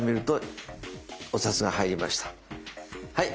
はい。